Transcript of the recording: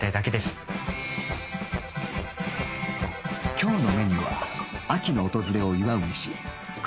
今日のメニューは秋の訪れを祝う飯栗ご飯